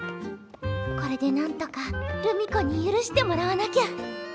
これでなんとか留美子に許してもらわなきゃ。